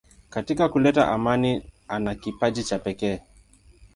Katika kuleta amani ana kipaji cha pekee.